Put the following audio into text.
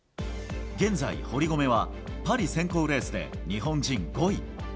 現在、堀米はパリ選考レースで日本人５位。